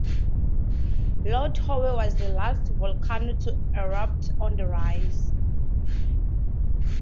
Lord Howe was the last volcano to erupt on the rise.